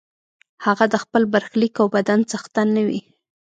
هغه د خپل برخلیک او بدن څښتن نه وي.